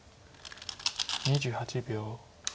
２８秒。